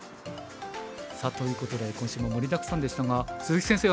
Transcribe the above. さあということで今週も盛りだくさんでしたが鈴木先生